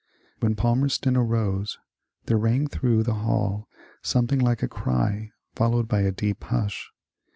When Palmerston arose there rang through the hall something like a cry, followed by a deep hush.